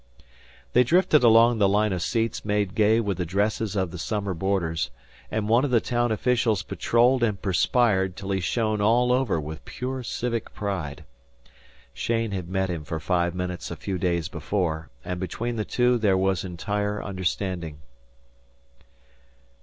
They drifted along the line of seats made gay with the dresses of the summer boarders, and one of the town officials patrolled and perspired till he shone all over with pure civic pride. Cheyne had met him for five minutes a few days before, and between the two there was entire understanding.